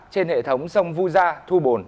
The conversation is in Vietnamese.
trên hệ thống sông vụ gia thu bồn